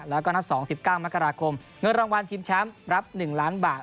แล้วก็นัด๒๑๙มกราคมเงินรางวัลทีมแชมป์รับ๑ล้านบาท